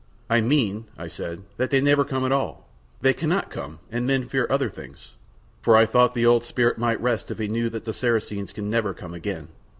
"I mean," I said, "that they never come at all. They cannot come and men fear other things." For I thought the old spirit might rest if he knew that the Saracens can never come again.